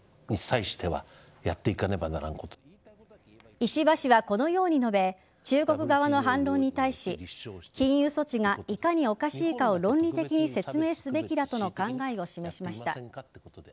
石破氏はこのように述べ中国側の反論に対し禁輸措置がいかにおかしいかを論理的に説明すべきだとの考えを示しました。